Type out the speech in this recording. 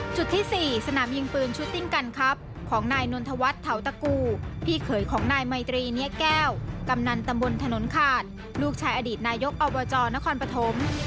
ที่๔สนามยิงปืนชุดติ้งกันครับของนายนนทวัฒน์เถาตะกูพี่เขยของนายไมตรีเนียแก้วกำนันตำบลถนนขาดลูกชายอดีตนายกอบจนครปฐม